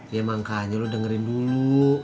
ya emang kaya lo dengerin dulu